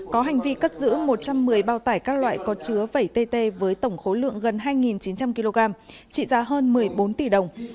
có hành vi cất giữ một trăm một mươi bao tải các loại có chứa bảy tt với tổng khối lượng gần hai chín trăm linh kg trị giá hơn một mươi bốn tỷ đồng